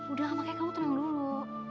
udah makanya kamu tenang dulu